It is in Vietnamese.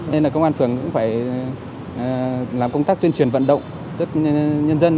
nên là công an phường cũng phải làm công tác tuyên truyền vận động rất nhân dân